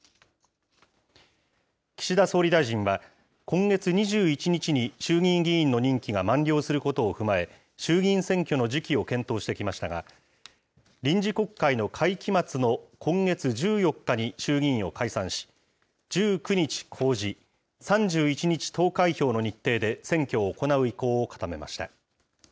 岸田総理大臣は、今月２１日に衆議院議員の任期が満了することを踏まえ、衆議院選挙の時期を検討してきましたが、臨時国会の会期末の今月１４日に衆議院を解散し、１９日公示、３１日投開票の日程で、選挙を行う意向を固めました。